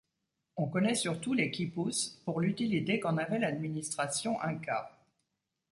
On connait surtout les quipus pour l'utilité qu'en avait l'administration inca.